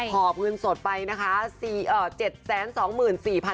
อบเงินสดไปนะคะ